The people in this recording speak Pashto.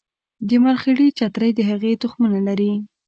د مرخیړي چترۍ د هغې تخمونه لري